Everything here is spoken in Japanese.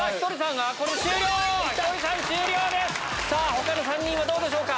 他の３人はどうでしょうか？